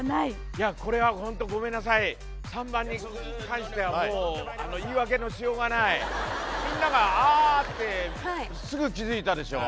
いやこれはホントごめんなさい３番に関してはもう言い訳のしようがないみんなが「ああ」ってすぐ気づいたでしょ